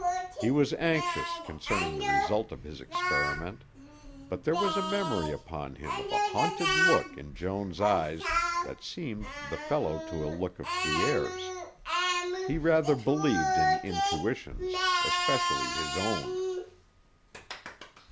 He was anxious concerning the result of his experiment, but there was a memory upon him of a haunted look in Joan's eyes that seemed the fellow to a look of Pierre's. He rather believed in intuitions, especially his own.